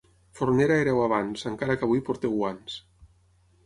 Fornera éreu abans, encara que avui porteu guants.